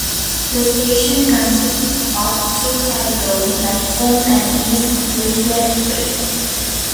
The station consists of two side-loading platforms and is completely at grade.